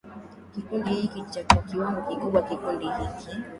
kikundi hiki Kwa kiwango kikubwa kikundi hiki